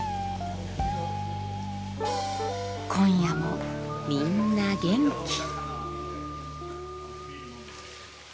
今夜もみんな元気。